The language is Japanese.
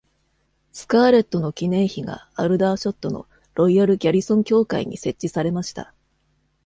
スカーレットの記念碑がアルダーショットのロイヤル・ギャリソン教会に設置されました。